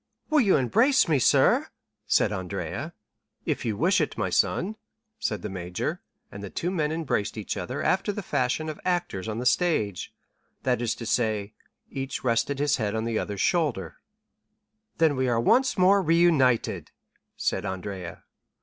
"Will you not embrace me, sir?" said Andrea. 30139m "If you wish it, my son," said the major; and the two men embraced each other after the fashion of actors on the stage; that is to say, each rested his head on the other's shoulder. "Then we are once more reunited?" said Andrea.